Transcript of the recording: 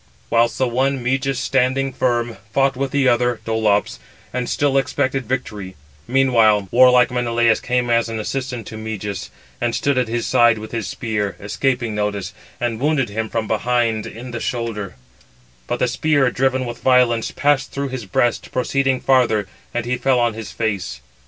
Whilst the one (Meges) standing firm, fought with the other (Dolops), and still expected victory; meanwhile, warlike Menelaus came as an assistant to him (Meges), and stood at his side with his spear, escaping notice, and wounded him from behind in the shoulder; but the spear, driven with violence, passed through his breast, proceeding farther; and he fell on his face.